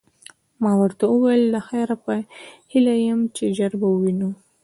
ما ورته وویل: له خیره، په هیله یم چي ژر به ووینو.